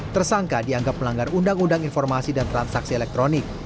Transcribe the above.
tersangka dianggap melanggar undang undang informasi dan transaksi elektronik